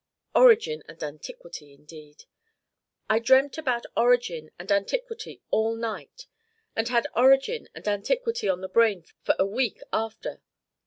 Origin and antiquity indeed! I dreamt about origin and antiquity all night, and had origin and antiquity on the brain for a week after.